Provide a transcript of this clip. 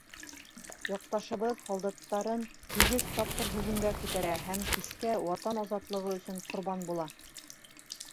Яҡташыбыҙ һалдаттарын һигеҙ тапҡыр һөжүмгә күтәрә һәм кискә Ватан азатлығы өсөн ҡорбан була.